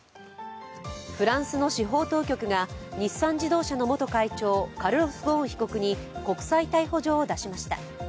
フランスの司法当局が日産自動車の元会長カルロス・ゴーン被告に国際逮捕状を出しました。